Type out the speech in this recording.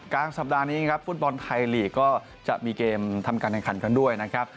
กลางสัปดาห์นี้ครับฟุตบอลไทยลีกก็จะมีเกมทำการแข่งขันกันด้วยนะครับ